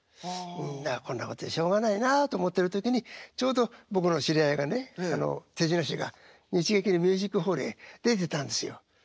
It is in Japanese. こんなことじゃしょうがないなと思ってる時にちょうど僕の知り合いがね手品師が日劇のミュージックホールへ出てたんですよ。